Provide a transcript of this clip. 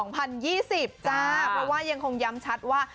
เพราะว่ายังคงย้ำชัดว่า